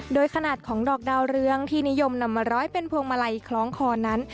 โดยขนาดของดอกดาวเรืองที่นิยมนำมาร้อยเป็นพวงมาลัยคล้องคอนั้น